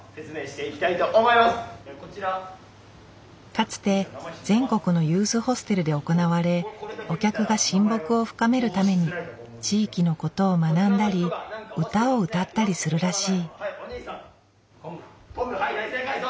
かつて全国のユースホステルで行われお客が親睦を深めるために地域のことを学んだり歌を歌ったりするらしい。